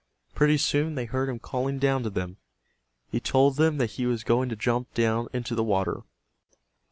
Pretty soon they heard him calling down to them. He told them that he was going to jump down into the water.